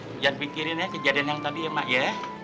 hujan pikirin ya kejadian yang tadi ya mak ya